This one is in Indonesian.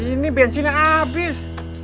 ini bensinnya abis